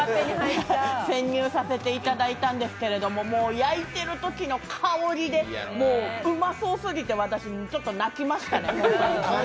潜入させていただいたんですけど、もう焼いてるときの香りでもううまそうすぎて、私、泣きましたね。